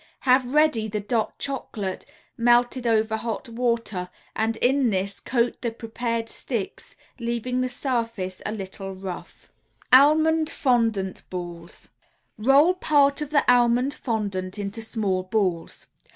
Have ready the "Dot" Chocolate melted over hot water and in this coat the prepared sticks leaving the surface a little rough. ALMOND FONDANT BALLS [Illustration: ALMOND FONDANT BALLS.] Roll part of the almond fondant into small balls.